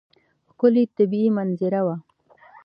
ښکلې طبیعي منظره وه.